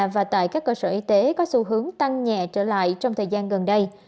và tại các cơ sở y tế có xu hướng tăng nhẹ trở lại trong thời gian gần đây